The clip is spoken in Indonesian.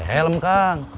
pake helm kang